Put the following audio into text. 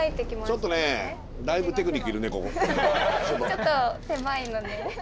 ちょっと狭いので。